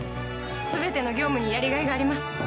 全ての業務にやりがいがあります。